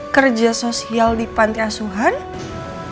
kerja sosial di panti asuhan